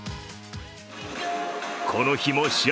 この日も試合